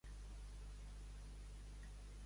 Aquest municipi és a la part sud de l'estat de Tlaxcala.